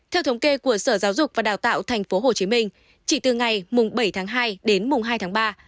theo thống kê của sở giáo dục và đào tạo tp hcm chỉ từ ngày mùng bảy tháng hai đến mùng hai tháng ba